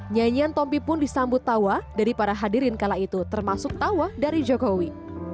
nyanyian tompi pun disambut tawa dari para hadirin kala itu termasuk tawa dari jokowi